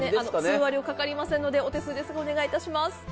通話料かかりませんので、お手数ですが、お願いいたします。